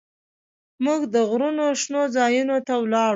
موږ د غرونو شنو ځايونو ته ولاړو.